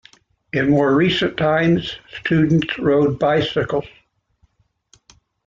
In more recent times, students rode bicycles.